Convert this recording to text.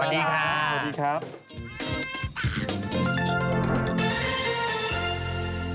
พรุ่งนี้ติดกันช้ำกว่าแล้วเรา